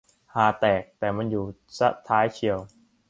ฮาแตก แต่มันอยู่ซะท้ายเชียว